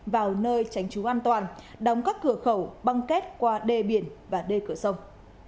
vào nơi tránh trú an toàn đóng các cửa khẩu băng két qua đê biển và đê cửa sông